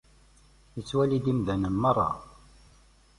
Ittwali-d imdanen merra.